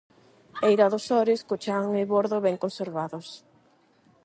Eira do sores, co chan e bordo ben conservados.